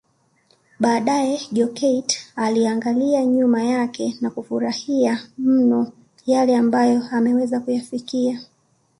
Baadae Jokate anaangalia nyuma yake na kufurahikia mno yale ambayo ameweza kuyafikia